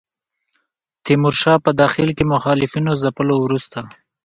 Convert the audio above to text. تیمورشاه په داخل کې مخالفینو ځپلو وروسته.